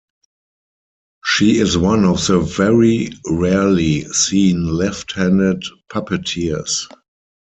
She is one of the very rarely seen left-handed puppeteers.